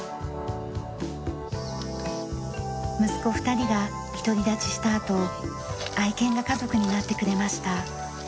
息子２人が独り立ちしたあと愛犬が家族になってくれました。